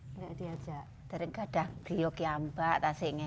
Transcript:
enggak diajak terkadang diuk ya mbak kasih ngeir